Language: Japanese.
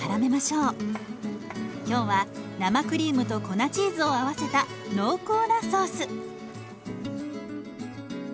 今日は生クリームと粉チーズを合わせた濃厚なソース。